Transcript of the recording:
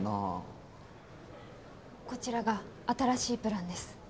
こちらが新しいプランです。